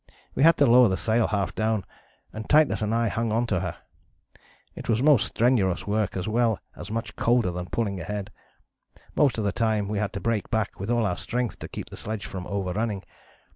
We had to lower the sail half down, and Titus and I hung on to her. It was most strenuous work, as well as much colder than pulling ahead. Most of the time we had to brake back with all our strength to keep the sledge from overrunning.